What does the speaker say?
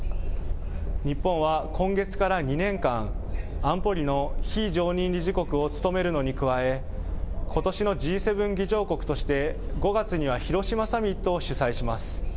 日本は今月から２年間、安保理の非常任理事国を務めるのに加え、ことしのＧ７議長国として、５月には広島サミットを主催します。